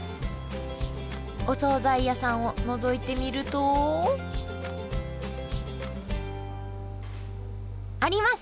お総菜屋さんをのぞいてみると。ありました！